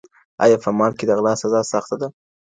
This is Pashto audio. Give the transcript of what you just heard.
آيا په مال کي د غلا سزا سخته ده؟